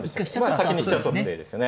先に飛車を取る手ですよね。